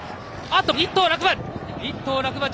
あっと、１頭落馬。